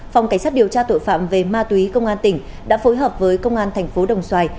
phòng cảnh sát điều tra tội phạm về ma túy công an tỉnh đã phối hợp với công an thành phố đồng xoài